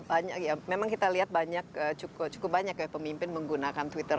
tapi khususnya di twitter kenapa merasa harus banyak ya memang kita lihat cukup banyak pemimpin menggunakan twitter